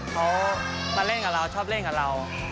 เขามาเล่นกับเราชอบเล่นกับเรา